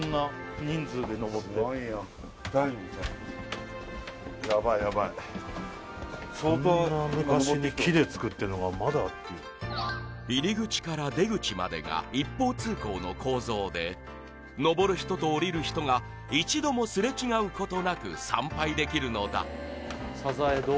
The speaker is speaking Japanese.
大丈夫です大丈夫ヤバいヤバい相当昔に木でつくってんのがまだ入り口から出口までが一方通行の構造でのぼる人とおりる人が一度もすれ違うことなく参拝できるのださざえ堂？